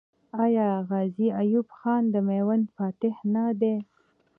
آیا غازي ایوب خان د میوند فاتح نه دی؟